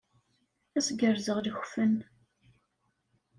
Ad s-gerrzeɣ lekfen.